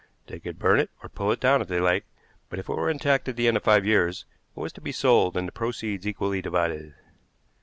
They could burn it or pull it down if they liked, but if it were intact at the end of five years, it was to be sold, and the proceeds equally divided.